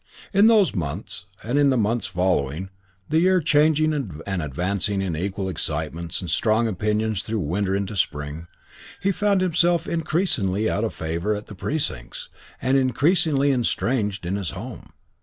In those months, and in the months following, the year changing and advancing in equal excitements and strong opinions through winter into spring, he found himself increasingly out of favour at The Precincts and increasingly estranged in his home.